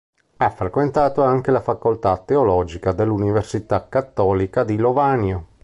Ha frequentato anche la Facoltà teologica dell'Università Cattolica di Lovanio.